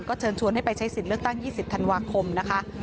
เชิญชวนให้ไปใช้สิทธิ์เลือกตั้ง๒๐ธันวาคมนะคะ